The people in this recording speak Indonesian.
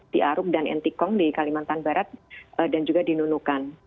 di aruk dan ntkong di kalimantan barat dan juga di nunukan